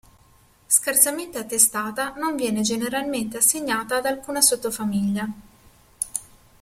Scarsamente attestata, non viene generalmente assegnata ad alcuna sottofamiglia.